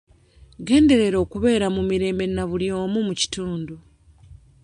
Genderera okubeera mu mirembe na buli omu mu kitundu.